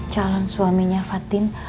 calon suaminya fatin